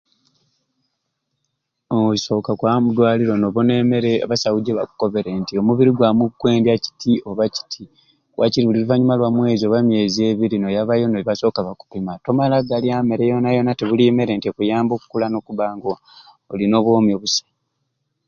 Ooo osoka kwaba mudwaliro nobona emeere yabwe jebakobere nti omubiri gwamu gukwendya kiti oba kiti wakiri buli luvanyuma lwa mwezi oba myeezi ibiri noyabayo nibasoka nibakupima, tomala galya mere yona yona tibuli mere nti ekuyamba okukula nokubanga olina onwoomi obusai.